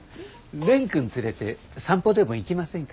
蓮くん連れて散歩でも行きませんか？